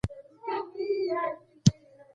سهار شپږ بجې خپل دفتر راغی